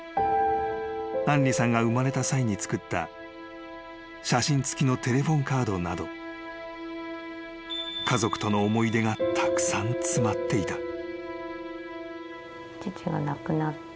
［杏梨さんが生まれた際に作った写真付きのテレホンカードなど家族との思い出がたくさん詰まっていた］